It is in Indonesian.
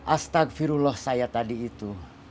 astagfirullah saya tadi itu